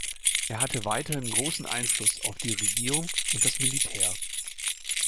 Er hatte weiterhin großen Einfluss auf die Regierung und das Militär.